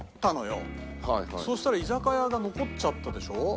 そしたら居酒屋が残っちゃったでしょ？